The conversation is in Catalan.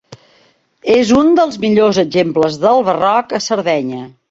És un dels millors exemples del barroc a Sardenya.